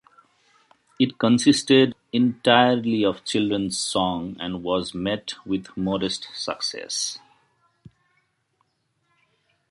It consisted entirely of children's song and was met with modest success.